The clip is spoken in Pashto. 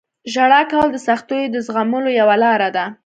• ژړا کول د سختیو د زغملو یوه لاره ده.